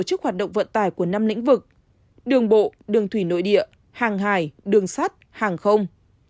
tổ chức hoạt động vận tải của năm lĩnh vực đường bộ đường thủy nội địa hàng hải đường sắt hàng không